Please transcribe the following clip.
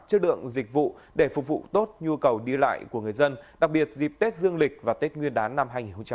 chất lượng dịch vụ để phục vụ tốt nhu cầu đi lại của người dân đặc biệt dịp tết dương lịch và tết nguyên đán năm hai nghìn hai mươi